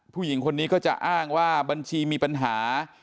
ผู้หญิงคนนี้ก็จะอ้างว่าบัญชีมีปัญหา